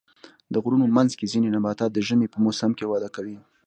د غرونو منځ کې ځینې نباتات د ژمي په موسم کې وده کوي.